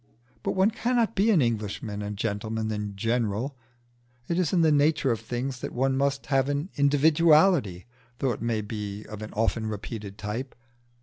But one cannot be an Englishman and gentleman in general: it is in the nature of things that one must have an individuality, though it may be of an often repeated type.